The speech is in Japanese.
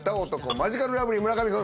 マヂカルラブリー村上君。